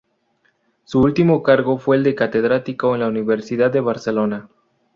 Su último cargo fue el de catedrático en la Universidad de Barcelona.